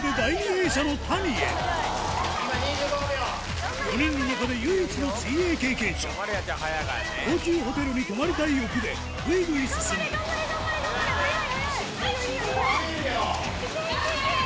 ４人の中で唯一の水泳経験者大きいホテルに泊まりたい欲でぐいぐい進む速い速い！